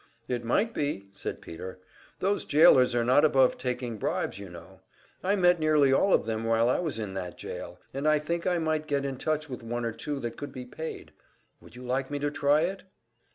"It might be," said Peter. "Those jailors are not above taking bribes, you know. I met nearly all of them while I was in that jail, and I think I might get in touch with one or two that could be paid. Would you like me to try it?"